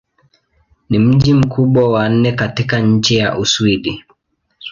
Ni mji mkubwa wa nne katika nchi wa Uswidi.